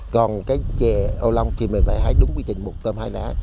còn cái chè ô long thì mình phải hái đúng quy trình mục tôm hái đá